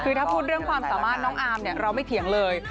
คือถ้าพูดเรื่องความสามารถน้องอาร์มเนี่ยเราไม่เถียงเลย